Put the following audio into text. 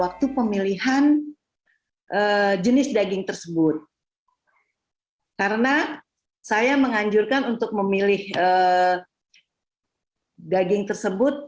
waktu pemilihan jenis daging tersebut karena saya menganjurkan untuk memilih daging tersebut